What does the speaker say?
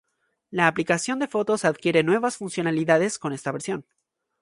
La aplicación de Fotos adquiere nuevas funcionalidades con esta versión.